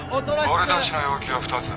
俺たちの要求は２つ。